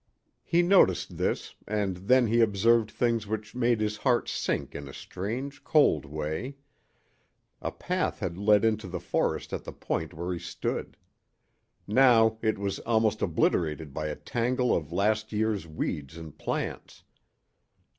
He noticed this, and then he observed things which made his heart sink in a strange, cold way. A path had led into the forest at the point where he stood. Now it was almost obliterated by a tangle of last year's weeds and plants.